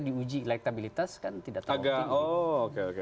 diuji elektabilitas kan tidak tahu